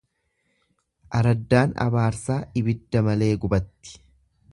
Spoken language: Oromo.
Araddaan abaarsaa ibidda malee gubatti.